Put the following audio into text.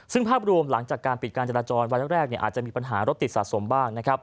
ซึ่งภาพรวมหลังจากการปิดการจราจรวันแรกอาจจะมีปัญหารถติดสะสมบ้างนะครับ